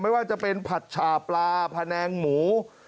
ไม่ว่าจะเป็นผัดฉาปลาแผนงหมู